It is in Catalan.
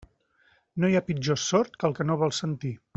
No hi ha pitjor sord que el que no vol sentir.